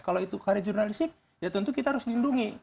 kalau itu karya jurnalistik ya tentu kita harus lindungi